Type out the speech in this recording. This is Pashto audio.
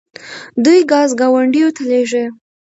دوی ګاز ګاونډیو ته لیږي.